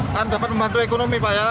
kan dapat membantu ekonomi pak ya